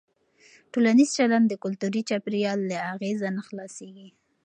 ټولنیز چلند د کلتوري چاپېریال له اغېزه نه خلاصېږي.